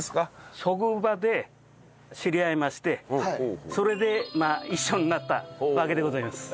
職場で知り合いましてそれでまあ一緒になったわけでございます。